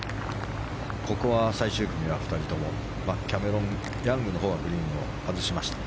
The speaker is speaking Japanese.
ここは、最終組は２人ともキャメロン・ヤングのほうはグリーンを外しました。